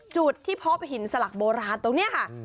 จุดที่พบหินสลักโบราณตรงนี้ค่ะ